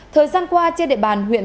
thời gian qua trên địa bàn huyện